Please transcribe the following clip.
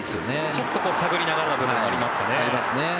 ちょっと探りながらの部分もありますかね。